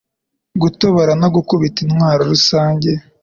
Gutobora no gukubita intwaro rusange.